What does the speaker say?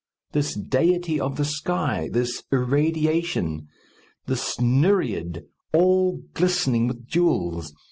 This deity of the sky! This irradiation! This nereid all glistening with jewels!